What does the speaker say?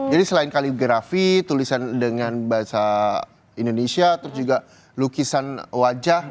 jadi selain kaligrafi tulisan dengan bahasa indonesia lalu juga lukisan wajah